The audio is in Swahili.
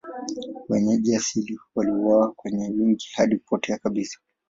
Wenyeji asilia waliuawa kwa wingi hadi kupotea kabisa.